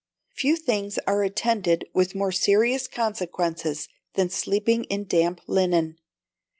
Few things are attended with more serious consequences than sleeping in damp linen.